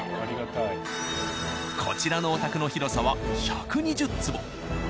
こちらのお宅の広さは１２０坪。